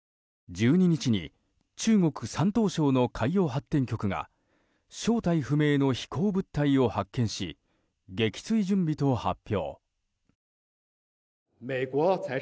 １２日に中国・山東省の海洋発展局が正体不明の飛行物体を発見し撃墜準備と発表。